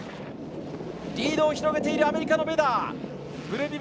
リードを広げているアメリカのベダー。